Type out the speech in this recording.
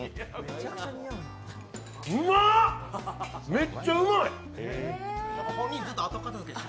うまっ、めっちゃうまい！